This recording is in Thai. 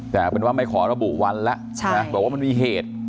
แต่เอาเป็นว่าไม่ขอระบุวันแล้วบอกว่ามันมีเหตุ